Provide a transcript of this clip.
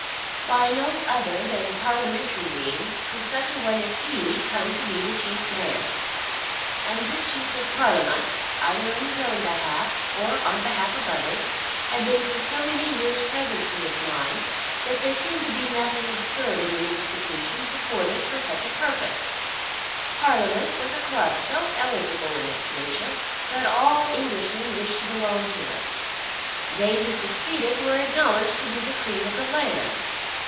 By no other than parliamentary means could such a one as he come to be the chief man. And this use of Parliament, either on his own behalf or on behalf of others, had been for so many years present to his mind, that there seemed to be nothing absurd in an institution supported for such a purpose. Parliament was a club so eligible in its nature that all Englishmen wished to belong to it. They who succeeded were acknowledged to be the cream of the land.